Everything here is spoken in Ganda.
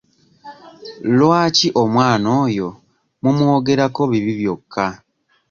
Lwaki omwana oyo mumwogerako bibi byokka?